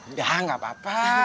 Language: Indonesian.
udah gak apa apa